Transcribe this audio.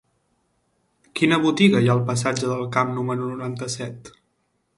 Quina botiga hi ha al passatge del Camp número noranta-set?